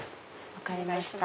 分かりました。